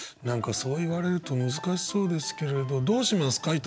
何かそう言われると難しそうですけれどどうしますか？